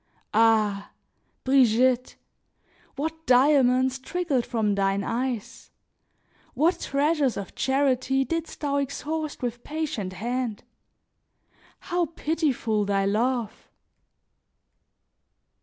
Ah! Brigitte! what diamonds trickled from thin eyes! What treasures of charity didst thou exhaust with patient hand! How pitiful thy love!